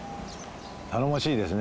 頼もしいですね。